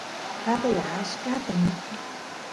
tatay achkata mikun